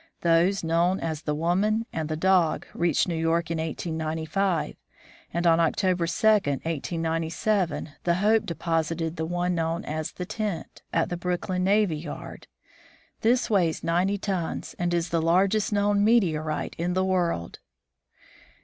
Those known as " the woman" and "the dog" reached New York in 1895, and on October 2, 1897, the Hope deposited the one known as " the tent " at the Brook lyn navy yard. This weighs ninety tons and is the largest known meteorite in the world.